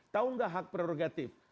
tahu nggak hak prerogatif